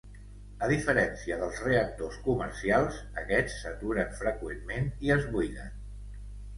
A diferència dels reactors comercials, aquests s'aturen freqüentment i es buiden.